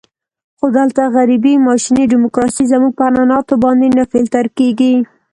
خو دلته غربي ماشیني ډیموکراسي زموږ په عنعناتو باندې نه فلتر کېږي.